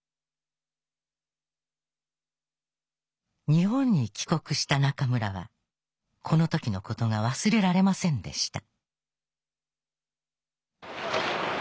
日本に帰国した中村はこのときのことが忘れられませんでした。